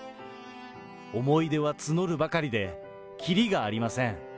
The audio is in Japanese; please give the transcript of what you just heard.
思い出は募るばかりで、きりがありません。